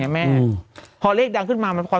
แม่พอเลขดังขึ้นมา